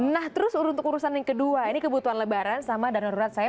nah terus untuk urusan yang kedua ini kebutuhan lebaran sama danaurat saya